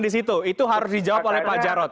itu harus dijawab oleh pak jarod